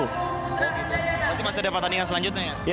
berarti masih ada pertandingan selanjutnya ya